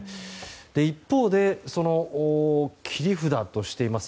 一方で切り札としています